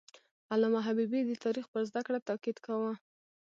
علامه حبیبي د تاریخ پر زده کړه تاکید کاوه.